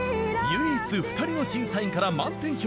唯一２人の審査員から満点評価。